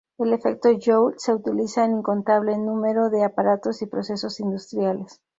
El efecto Joule se utiliza en incontable número de aparatos y procesos industriales.